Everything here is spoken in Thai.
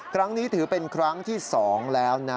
ครั้งนี้ถือเป็นครั้งที่๒แล้วนะ